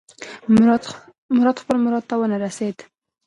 مراد خپل مراد ته ونه رسېد.